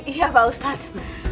iya pak ustadz